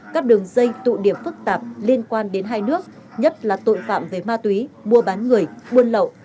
các đường dây tụ điểm phức tạp liên quan đến hai nước nhất là tội phạm về ma túy mua bán người buôn lậu